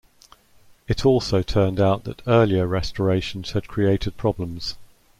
It also turned out that earlier restorations had created problems.